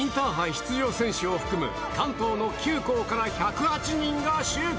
出場選手を含む、関東の９校から１０８人が集結。